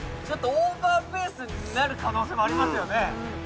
ちょっとオーバーペースになる可能性もありますよね。